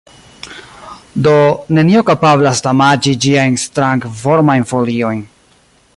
Do, nenio kapablas damaĝi ĝiajn strangformajn foliojn.